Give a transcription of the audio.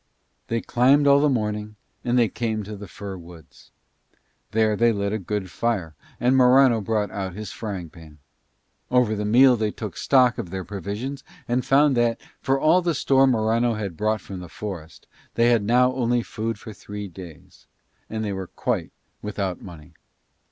They climbed all the morning and they came to the fir woods. There they lit a good fire and Morano brought out his frying pan. Over the meal they took stock of their provisions and found that, for all the store Morano had brought from the forest, they had now only food for three days; and they were quite without money.